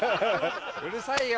うるさいよ！